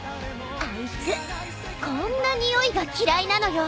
あいつこんなにおいが嫌いなのよ。